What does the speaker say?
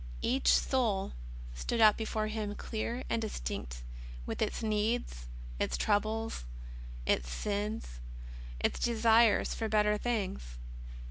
Each soul stood out before Him clear and distinct, with its needs, its troubles, its sins, its desires for better things.